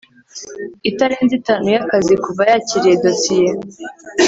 itarenze itanu y akazi kuva yakiriye dosiye